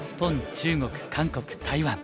中国韓国台湾